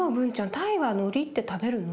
タイはのりって食べるの？